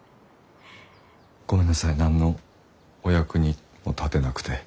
ごめんなさい何のお役にも立てなくて。